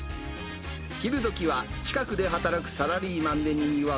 昼どきは近くで働くサラリーマンでにぎわう